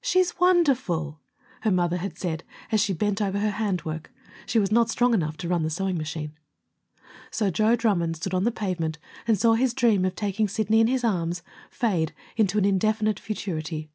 "She's wonderful!" her mother had said, as she bent over her hand work. She was not strong enough to run the sewing machine. So Joe Drummond stood on the pavement and saw his dream of taking Sidney in his arms fade into an indefinite futurity.